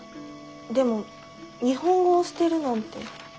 でも日本語を捨てるなんて。